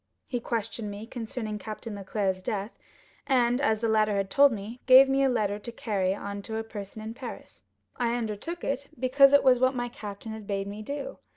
He questioned me concerning Captain Leclere's death; and, as the latter had told me, gave me a letter to carry on to a person in Paris. I undertook it because it was what my captain had bade me do.